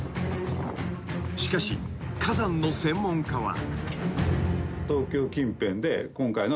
［しかし火山の専門家は］